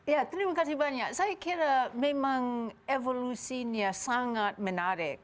ya terima kasih banyak saya kira memang evolusinya sangat menarik